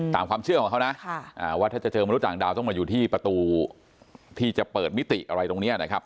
ตามความเชื่อของเขานะว่าถ้าจะเจอมนุษย์ต่างดาวต้องมาอยู่ที่ประตูที่จะเปิดมิติอะไรตรงนี้นะครับ